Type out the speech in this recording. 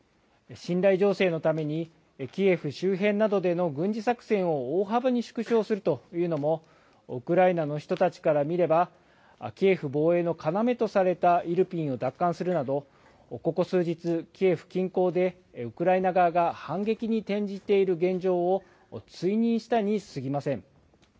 信頼醸成のために、キエフ周辺などでの軍事作戦を大幅に縮小するというのもウクライナの人たちから見れば、キエフ防衛の要とされたイルピンを奪還するなど、ここ数日、キエフ近郊でウクライナ側が反撃に転じている現状を追認したにすぎません。